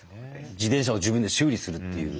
自転車を自分で修理するっていう。